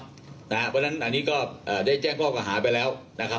เพราะฉะนั้นอันนี้ก็ได้แจ้งข้อกล่าหาไปแล้วนะครับ